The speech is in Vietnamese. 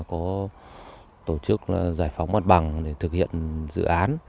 có tổ chức giải phóng mặt bằng để thực hiện dự án